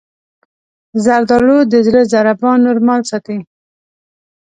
زردالو د زړه ضربان نورمال ساتي.